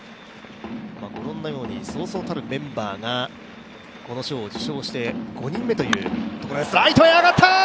ご覧のようにそうそうたるメンバーがこの賞を受賞して５人目というところ。